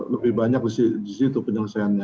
lebih banyak disitu penyelesaiannya